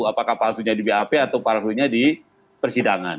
apakah palsunya di bap atau palsunya di persidangan